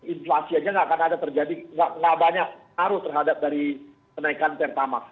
inflasi aja enggak akan ada terjadi enggak banyak ngaruh terhadap dari kenaikan pertamax